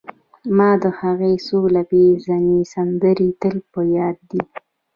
ما د هغې سوله ییزې سندرې تل په یاد دي